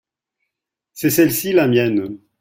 c'est celle-ci la mienne.